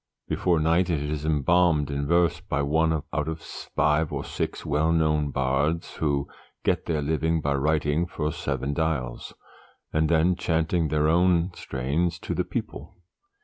Before night it is embalmed in verse by one out of five or six well known bards who get their living by writing for Seven Dials, and then chanting their own strains to the people.